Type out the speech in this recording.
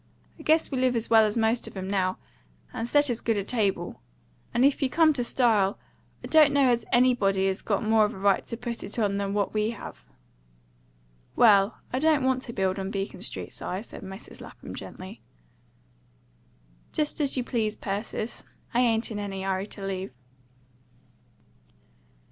I guess we live as well as most of 'em now, and set as good a table. And if you come to style, I don't know as anybody has got more of a right to put it on than what we have." "Well, I don't want to build on Beacon Street, Si," said Mrs. Lapham gently. "Just as you please, Persis. I ain't in any hurry to leave."